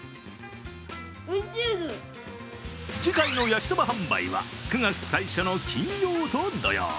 次回の焼きそば販売は９月最初の金曜と土曜。